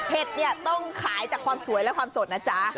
เนี่ยต้องขายจากความสวยและความสดนะจ๊ะ